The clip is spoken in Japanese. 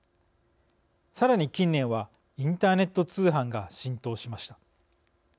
さらに近年はインターネット通販が浸透しました。